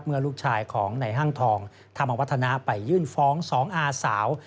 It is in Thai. เมื่อลูกชายของในห้างทองธรรมวัฒนะไปยื่นฟ้องสองอาสาว